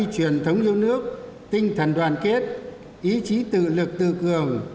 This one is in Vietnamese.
sống yêu nước tinh thần đoàn kết ý chí tự lực tự cường